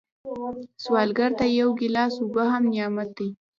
سوالګر ته یو ګیلاس اوبه هم نعمت دی